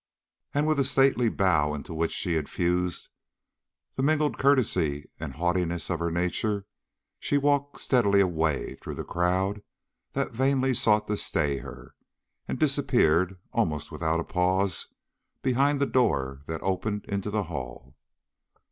And with a stately bow into which she infused the mingled courtesy and haughtiness of her nature, she walked steadily away through the crowd that vainly sought to stay her, and disappeared, almost without a pause, behind the door that opened into the hall.